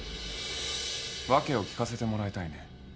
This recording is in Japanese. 訳を聞かせてもらいたいね。